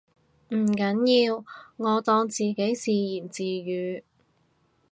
唔緊要，我當自己自言自語